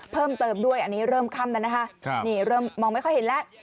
เพิ่มเติมด้วยอันนี้เริ่มค่ำแล้วนะคะนี่เริ่มมองไม่ค่อยเห็นแล้ว